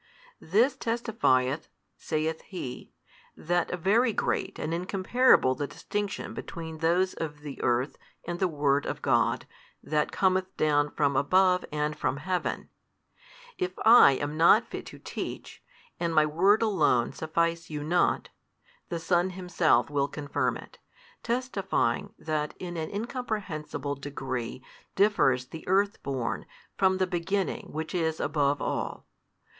This testifieth (saith he) that very great and incomparable the distinction between those of the earth and the Word of God That cometh down from above and from Heaven. If I am not fit to teach, and my word alone suffice you not, the Son Himself will confirm it, testifying that in an incomprehensible degree differs the earth born from the Beginning Which is above all.